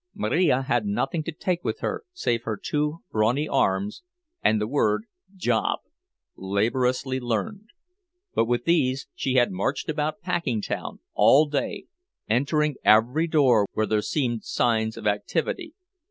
Marija had nothing to take with her save her two brawny arms and the word "job," laboriously learned; but with these she had marched about Packingtown all day, entering every door where there were signs of activity.